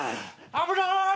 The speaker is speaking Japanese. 「危ない！